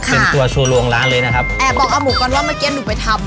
เป็นตัวโชว์ลวงร้านเลยนะครับแอบบอกอาหมูก่อนว่าเมื่อกี้หนูไปทำ